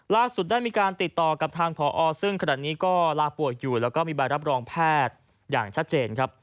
ได้มีการติดต่อกับทางพอซึ่งขนาดนี้ก็ลาป่วยอยู่แล้วก็มีใบรับรองแพทย์อย่างชัดเจนครับ